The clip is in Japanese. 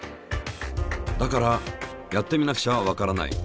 だからやってみなくちゃわからない。